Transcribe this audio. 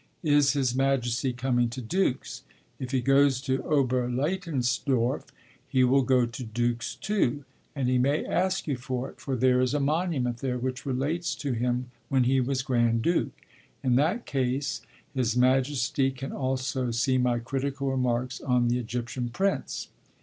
'Is His Majesty coming to Dux?' 'If he goes to Oberlaitensdorf he will go to Dux, too; and he may ask you for it, for there is a monument there which relates to him when he was Grand Duke.' 'In that case, His Majesty can also see my critical remarks on the Egyptian prints.'